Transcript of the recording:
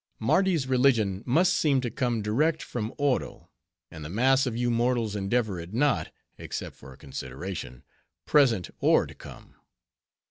Mardi's religion must seem to come direct from Oro, and the mass of you mortals endeavor it not, except for a consideration, present or to come."